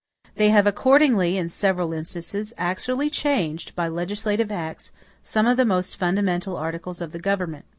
They have accordingly, in several instances, actually changed, by legislative acts, some of the most fundamental articles of the government.